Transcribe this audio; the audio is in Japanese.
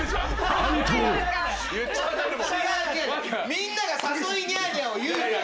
みんなが誘いニャーニャーを言うから。